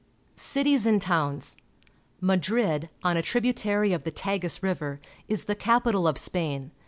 Cities and Towns. — Madrid, on a tributary of the Tagus River, is the capital of Spain.